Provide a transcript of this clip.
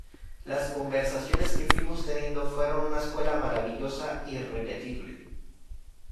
Las conversaciones que fuimos teniendo fueron una escuela maravillosa, irrepetible.